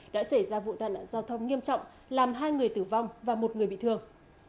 đã xảy ra vụ tai nạn giao thông nghiêm trọng làm hai người tử vong và một người bị thương